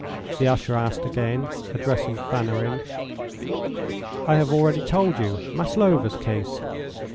the usher asked again, addressing Fanarin. "I have already told you: Maslova's case."